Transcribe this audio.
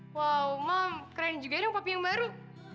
wow mam keren juga dong kopi yang baru